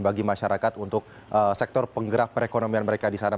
bagi masyarakat untuk sektor penggerak perekonomian mereka di sana